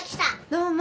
どうも。